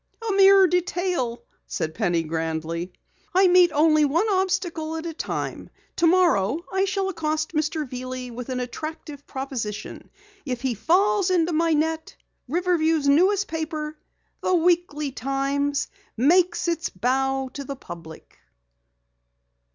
"A mere detail," said Penny grandly. "I meet only one obstacle at a time. Tomorrow I shall accost Mr. Veeley with an attractive proposition. If he falls into my net, Riverview's newest paper, The Weekly Times, makes its bow to the public."